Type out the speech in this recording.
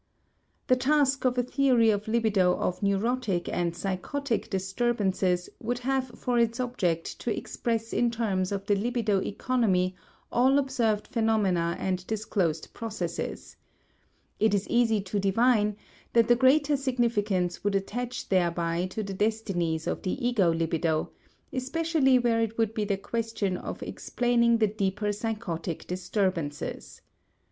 The task of a theory of libido of neurotic and psychotic disturbances would have for its object to express in terms of the libido economy all observed phenomena and disclosed processes. It is easy to divine that the greater significance would attach thereby to the destinies of the ego libido, especially where it would be the question of explaining the deeper psychotic disturbances.